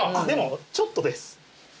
でもちょっとです。